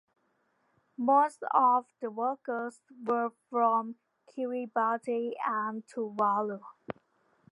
Most of the workers were from Kiribati and Tuvalu.